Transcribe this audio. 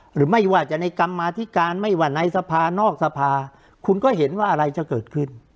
หรือไม่ว่าจะในกรรมาธิการไม่ว่าในสภานอกสภาคุณก็เห็นว่าอะไรจะเกิดขึ้น